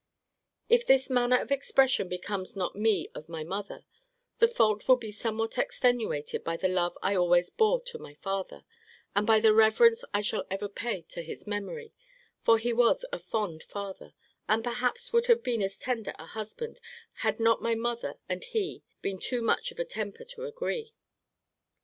If this manner of expression becomes not me of my mother, the fault will be somewhat extenuated by the love I always bore to my father, and by the reverence I shall ever pay to his memory: for he was a fond father, and perhaps would have been as tender a husband, had not my mother and he been too much of a temper to agree.